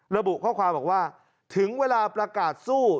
ระบุข้อความบอกว่าถึงเวลาประกาศสู้